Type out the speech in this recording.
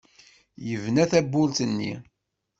Yebna tawwurt-nni.